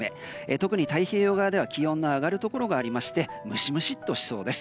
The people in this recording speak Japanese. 特に太平洋側では気温が上がるところがありましてムシムシッとしそうです。